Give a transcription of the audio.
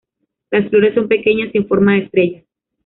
Las flores son pequeñas y en forma de estrellas.